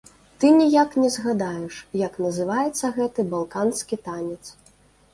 Ты ніяк не згадаеш, як называецца гэты балканскі танец.